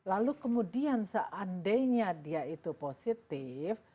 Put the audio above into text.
lalu kemudian seandainya dia itu positif